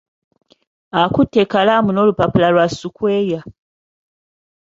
Akutte ekalamu n'olupapula lwa sukweya.